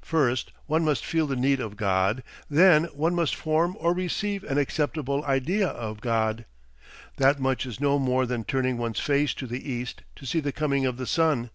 First one must feel the need of God, then one must form or receive an acceptable idea of God. That much is no more than turning one's face to the east to see the coming of the sun.